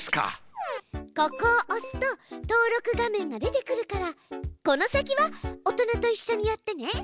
ここを押すと登録画面が出てくるからこの先は大人といっしょにやってね。